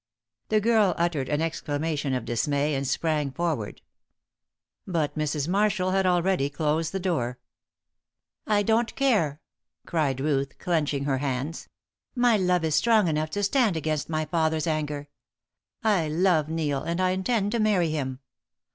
The girl uttered an exclamation of dismay and sprang forward. But Mrs. Marshall had already closed the door. "I don't care," cried Ruth, clenching her hands. "My love is strong enough to stand against my father's anger. I love Neil, and I intend to marry him.